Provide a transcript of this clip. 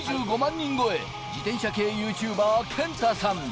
人超え、自転車系ＹｏｕＴｕｂｅｒ・けんたさん。